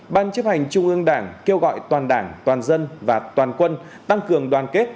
bốn ban chấp hành trung ương đảng kêu gọi toàn đảng toàn dân và toàn quân tăng cường đoàn kết